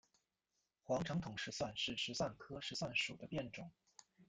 黄长筒石蒜是石蒜科石蒜属的变种。